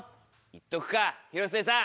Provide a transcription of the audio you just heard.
いっとくか広末さん。